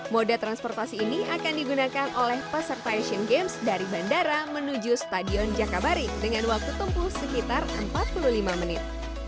moda transportasi ini akan digunakan oleh peserta asian games dari bandara menuju stadion jakabaring dengan waktu tempuh sekitar empat puluh lima menit